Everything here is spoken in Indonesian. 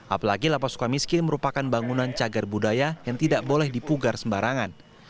apalagi lapas suka miskin merupakan bangunan cagar budaya yang tidak boleh dipugar sembarangan